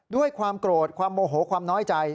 ด้วยความโกรธความโมโหความน้อยใจ